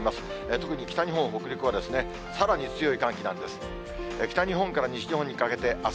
特に北日本、北陸はさらに強い寒気なんです。